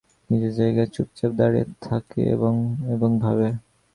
নিজের জায়গায় চুপচাপ দাঁড়িয়ে থাকে, এবং ভাবে।